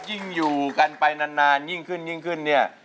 ยิ่งอยู่กันไปนานยิ่งขึ้นเนี่ย